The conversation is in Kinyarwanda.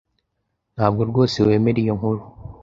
Ntabwo rwose wemera iyo nkuru?